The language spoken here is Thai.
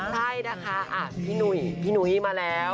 ใช่นะคะอะพี่หนุ่อมาแล้ว